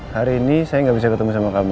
hari ini saya gak bisa ketemu sama kamu